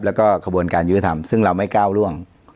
แล้วก็ขบวนการยุทธธรรมซึ่งเราไม่ก้าวร่วง